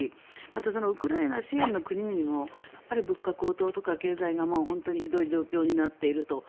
あと、ウクライナ支援の国々も物価高騰とか経済が本当にひどい状況になっていると。